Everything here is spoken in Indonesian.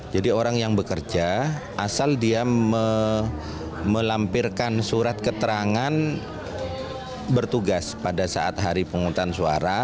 jadi orang yang bekerja asal dia melampirkan surat keterangan bertugas pada saat hari pemungutan suara